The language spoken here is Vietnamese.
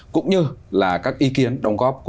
cũng như là các ý kiến đồng góp